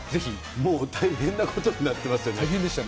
もう大変なことになってますよね。